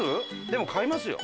でも買いますよ。